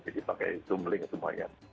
jadi pakai zoom link semuanya